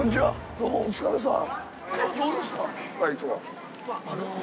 どうもお疲れさん。